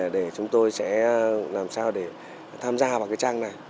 để chúng tôi sẽ làm sao để tham gia vào cái trang này